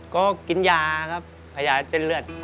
ก็กินยาครับพยาเส้นเลือด